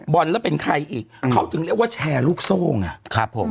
บอลแล้วเป็นใครอีกเขาถึงเรียกว่าแชร์ลูกโซ่ไงครับผม